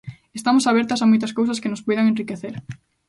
Estamos abertas a moitas cousas que nos poidan enriquecer.